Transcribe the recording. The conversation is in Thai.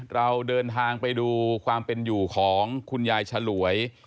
เราเดินทางไปดูความเป็นอยู่ของคุณยายฉลวย